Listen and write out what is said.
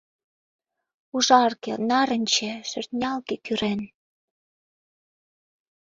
Ужарге, нарынче, шӧртнялге, кӱрен...